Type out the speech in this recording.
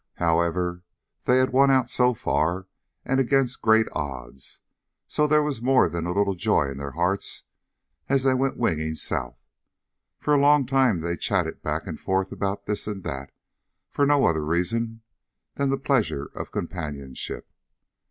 However, they had won out so far, and against great odds, so there was more than a little joy in their hearts as they went winging south. For a long time they chatted back and forth about this and that for no other reason than the pleasure of companionship.